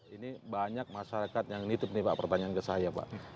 ini banyak masyarakat yang nitip nih pak pertanyaan ke saya pak